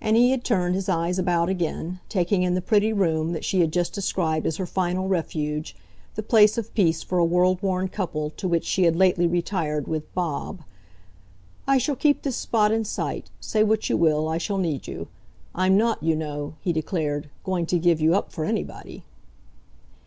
And he had turned his eyes about again, taking in the pretty room that she had just described as her final refuge, the place of peace for a world worn couple, to which she had lately retired with "Bob." "I shall keep this spot in sight. Say what you will, I shall need you. I'm not, you know," he declared, "going to give you up for anybody."